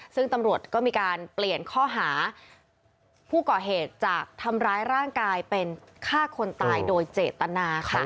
ซึ่งตำรวจก็มีการเปลี่ยนข้อหาผู้ก่อเหตุจากทำร้ายร่างกายเป็นฆ่าคนตายโดยเจตนาค่ะ